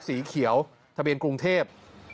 สีเขียวทะเบียนกรุงเทพ